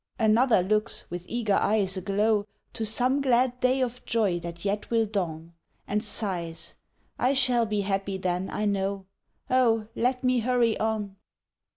Another looks, with eager eyes aglow, To some glad day of joy that yet will dawn, And sighs, "I shall be happy then, I know; Oh, let me hurry on."